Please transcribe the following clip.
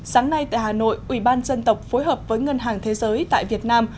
sáng nay tại hà nội ủy ban dân tộc phối hợp với ngân hàng thế giới tại việt nam